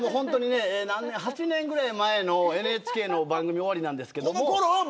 ８年ぐらい前のＮＨＫの番組終わりです。